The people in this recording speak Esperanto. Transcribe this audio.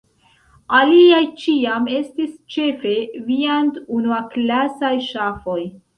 Aliaj ĉiam estis ĉefe viand-unuaklasaj ŝafoj.